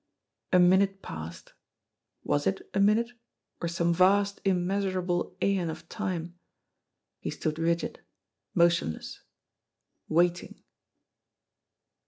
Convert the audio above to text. A minute passed. Was it a minute or some vast, immeasurable aeon of time? He stood rigid, motionless waiting.